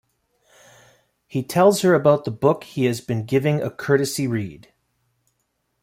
He tells her about the book he has been giving a courtesy read.